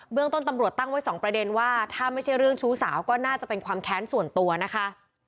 เรื่องต้นตำรวจตั้งไว้สองประเด็นว่าถ้าไม่ใช่เรื่องชู้สาวก็น่าจะเป็นความแค้นส่วนตัวนะคะ